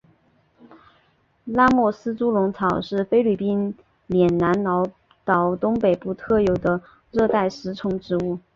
拉莫斯猪笼草是菲律宾棉兰老岛东北部特有的热带食虫植物。